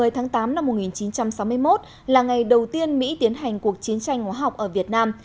một mươi tháng tám năm một nghìn chín trăm sáu mươi một là ngày đầu tiên mỹ tiến hành cuộc chiến tranh hóa học ở việt nam